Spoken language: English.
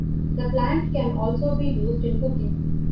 The plant can also be used in cooking.